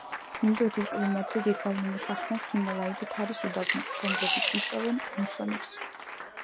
ინდოეთის კლიმატზე დიდ გავლენას ახდენს ჰიმალაი და თარის უდაბნო, რომლებიც იწვევენ მუსონებს.